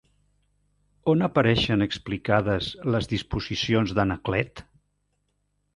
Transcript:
On apareixen explicades les disposicions d'Anaclet?